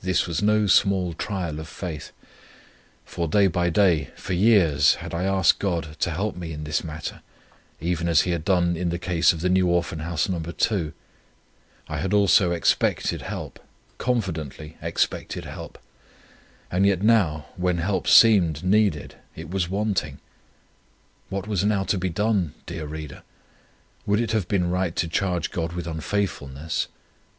This was no small trial of faith; for day by day, for years, had I asked God to help me in this particular, even as He had done in the case of the New Orphan House No. 2; I had also expected help, confidently expected help: and yet now, when help seemed needed, it was wanting. What was now to be done, dear Reader? Would it have been right to charge God with unfaithfulness?